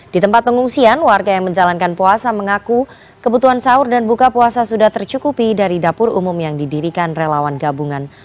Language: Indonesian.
di tempat pengungsian warga yang menjalankan puasa mengaku kebutuhan sahur dan buka puasa sudah tercukupi dari dapur umum yang didirikan relawan gabungan